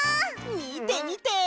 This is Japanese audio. みてみて！